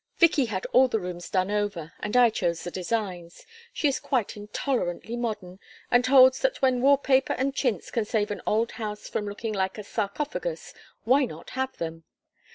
"Vicky had all the rooms done over, and I chose the designs. She is quite intolerantly modern, and holds that when wall paper and chintz can save an old house from looking like a sarcophagus, why not have them?